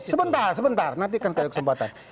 sebentar sebentar nanti akan kasih kesempatan